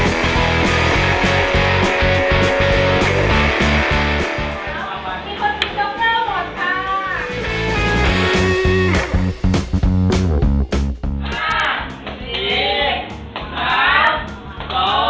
เงิบมึงเจ็ดแค่เธอสุดผู้เช่นนั้นคือน้องอีทค่ะ